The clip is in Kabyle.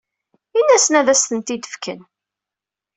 Ini-asen ad asen-ten-id-fken.